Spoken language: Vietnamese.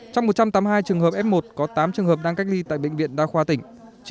trong một trăm tám mươi hai trường hợp f một có tám trường hợp đang cách ly tại bệnh viện đa khoa tỉnh